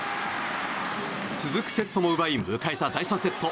続くセットも奪い迎えた第３セット。